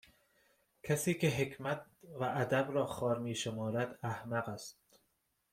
کسی که حکمت و ادب را خوار میشمارد احمق است